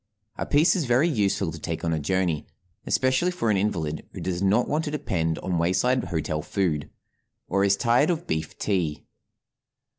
A piece is very useful to take on a journey, especially for an invalid who does not want to depend on wayside hotel food, or is tired of beef tea.